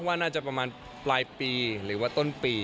ว่าน่าจะประมาณปลายปีหรือว่าต้นปี